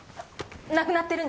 なくなってるんです！